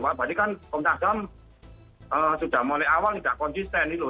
berarti kan ponasam sudah mulai awal tidak konsisten gitu loh